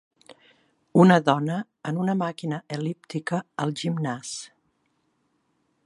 Una dona en una màquina el·líptica al gimnàs